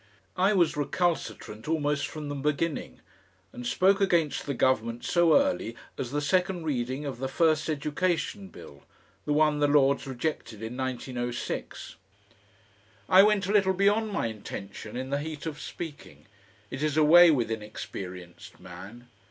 I was recalcitrant almost from the beginning, and spoke against the Government so early as the second reading of the first Education Bill, the one the Lords rejected in 1906. I went a little beyond my intention in the heat of speaking, it is a way with inexperienced man.